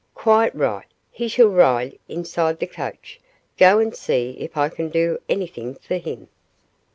"Quite right. He shall ride inside the coach. Go and see if I can do anything for him."